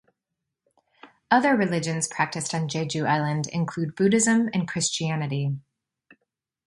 Other religions practiced on Jeju Island include Buddhism and Christianity.